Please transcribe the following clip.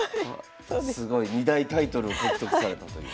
すごい２大タイトルを獲得されたという。